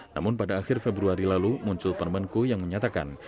namun pada akhir februari lalu muncul permenku yang menyatakan